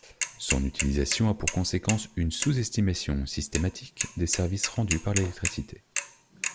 Son utilisation a pour conséquence une sous-estimation systématique des services rendus par l'électricité.